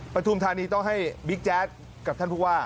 ปฐุมธานีต้องให้บิ๊กแจ๊ดกับท่านผู้ว่า